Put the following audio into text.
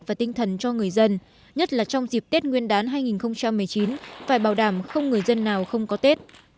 và tinh thần cho người dân nhất là trong dịp tết nguyên đán hai nghìn một mươi chín phải bảo đảm không người dân nào không có tết